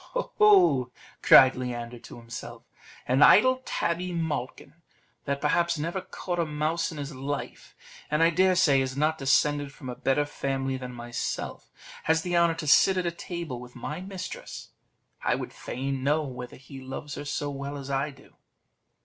"Ho, ho!" cried Leander to himself; "an idle tabby malkin, that perhaps never caught a mouse in his life, and I dare say is not descended from a better family than myself, has the honour to sit at table with my mistress: I would fain know whether he loves her so well as I do."